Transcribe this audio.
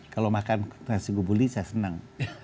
kalau makan nasi gubuli saya senang